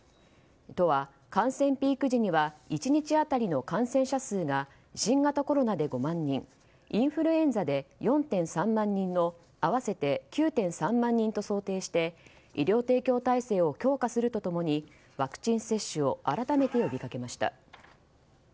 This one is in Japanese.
都は、感染ピーク時には１日当たりの感染者数が新型コロナで５万人インフルエンザで４．３万人の合わせて９．３万人と想定して医療提供体制を強化すると共にワクチン接種を改めて呼びかけました。